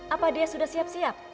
apa dia sudah siap siap